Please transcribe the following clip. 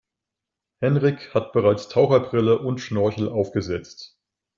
Henrik hat bereits Taucherbrille und Schnorchel aufgesetzt.